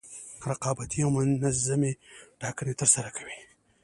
رقابتي او منظمې ټاکنې ترسره کوي.